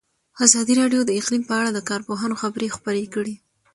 ازادي راډیو د اقلیم په اړه د کارپوهانو خبرې خپرې کړي.